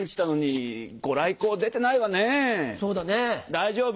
大丈夫！